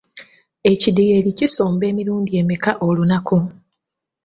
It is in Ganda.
Ekidyeri kisomba emirundi emeka olunaku?